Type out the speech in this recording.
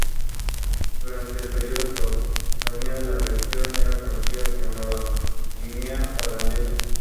En el Seminario Interregional de Posillipo obtuvo la licenciatura en teología.